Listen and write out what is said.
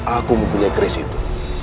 aku mempunyai kris itu